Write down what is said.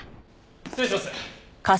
失礼します。